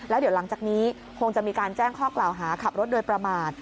แล้วเดี๋ยวหลังจากนี้คงจะมีการแจ้งข้อกล่าวหาขับรถโดยประมาท